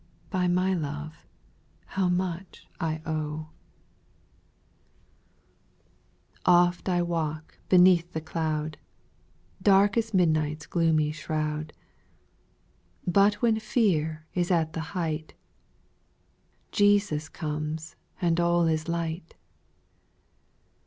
By my love, how inucVil O'w^, 24 SPIRITUAL SONGS. 6. Oft I walk beneath the cloud, Dark as midnight^s gloomy shroud ; But when fear is at the height,, Jesus comes, and all is light.